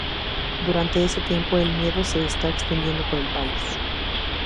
Durante ese tiempo el miedo se está extendiendo por el país.